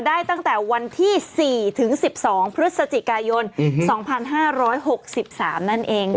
ได้ตั้งแต่วันที่๔ถึง๑๒พฤศจิกายน๒๕๖๓นั่นเอง